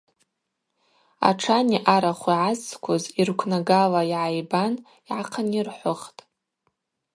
Атшани арахви гӏазцквуз йырквнагала йгӏайбан, йгӏахъынйырхӏвыхтӏ.